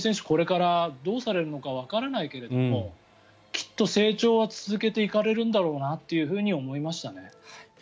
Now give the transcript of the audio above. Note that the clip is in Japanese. これからどうされるのかわからないけれどもきっと成長は続けていかれるんだろうなとは思いましたね。